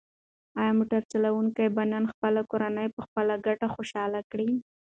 ایا موټر چلونکی به نن خپله کورنۍ په خپله ګټه خوشحاله کړي؟